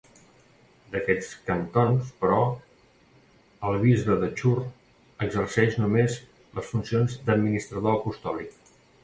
D'aquests cantons, però, el bisbe de Chur exerceix només les funcions d'administrador apostòlic.